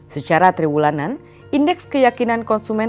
secara triwulan indeks keyakinan konsumen